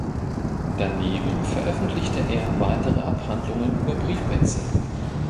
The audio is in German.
Daneben veröffentlichte er weitere Abhandlungen über Briefwechsel.